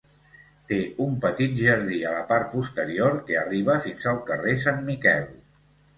Té un petit jardí a la part posterior que arriba fins al carrer Sant Miquel.